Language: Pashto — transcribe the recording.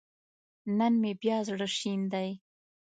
نن مې بيا زړه شين دی